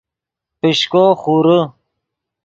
پیشکو خورے